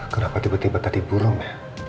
kenapa tiba tiba tadi burung ya